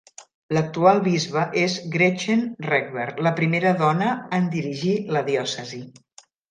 L'actual bisbe és Gretchen Rehberg, la primera dona en dirigir la Diòcesi.